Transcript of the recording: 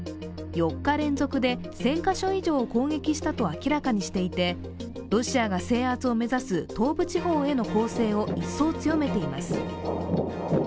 ４日連続で１０００カ所以上を攻撃したと明らかにしていてロシアが制圧を目指す東部地方への攻勢を一層、強めています。